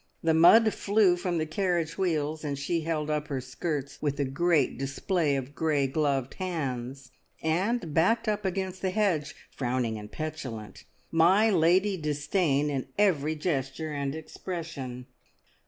The mud flew from the carriage wheels, and she held up her skirts with a great display of grey gloved hands, and backed up against the hedge, frowning and petulant my Lady Disdain in every gesture and expression.